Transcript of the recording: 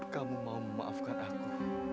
kamu mau memaafkan aku